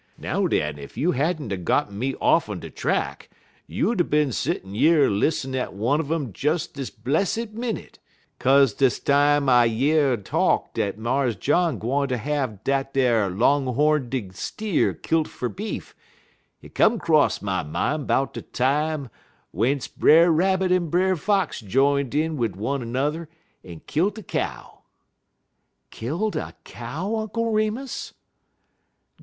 Now, den, ef you had n't 'a' got me off'n de track, you'd 'a' bin settin' yer lis'nen at one un um dis blessid minnit, 'kaze des time I year talk dat Mars John gwine ter have dat ar long hornded steer kilt fer beef, hit come 'cross my min' 'bout de time w'ence Brer Rabbit en Brer Fox j'ined in wid one er 'n'er en kilt a cow." "Killed a cow, Uncle Remus?"